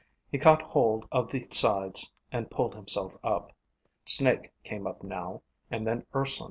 He caught hold of the sides and pulled himself up. Snake came up now, and then Urson.